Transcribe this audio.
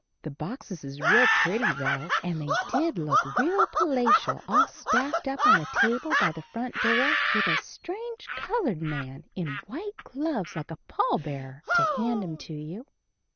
The boxes is real pretty, though, and they did look real palatial all stacked up on a table by the front door with a strange colored man, in white gloves like a pall bearer, to hand 'em to you.